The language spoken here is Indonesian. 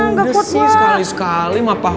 ya udah sih sekali sekali mah pak